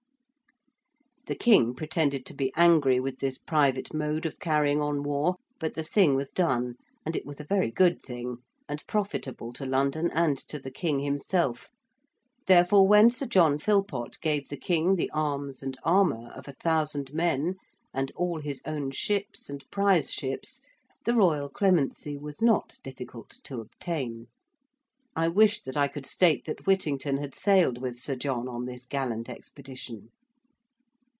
The King pretended to be angry with this private mode of carrying on war, but the thing was done, and it was a very good thing, and profitable to London and to the King himself, therefore when Sir John Philpot gave the King the arms and armour of a thousand men and all his own ships and prize ships, the Royal clemency was not difficult to obtain. I wish that I could state that Whittington had sailed with Sir John on this gallant expedition.